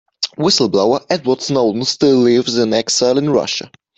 Whistle-blower Edward Snowden still lives in exile in Russia.